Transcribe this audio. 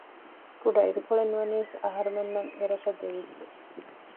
ކުޑައިރުކޮޅެއް ނުވަނީސް އަހަރުމެންނަށް އެ ރަށަށް ދެވިއްޖެ